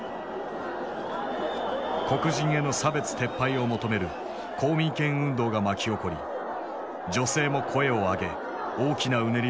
黒人への差別撤廃を求める公民権運動が巻き起こり女性も声を上げ大きなうねりとなった。